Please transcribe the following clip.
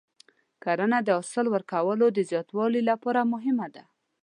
کرنه د حاصل ورکولو د زیاتوالي لپاره مهمه ده.